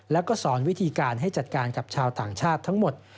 แล้วก็สอนวิธีการให้จัดการกับชาวต่างชาติทั้งหมด